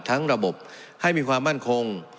ระบบให้มีความมั่นคง